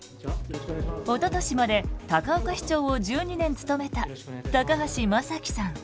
おととしまで高岡市長を１２年務めた橋正樹さん。